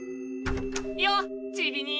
よっちびにい。